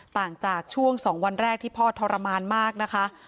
ต่างจากช่วง๒วันแรกที่พ่อทรมานมากนะคะ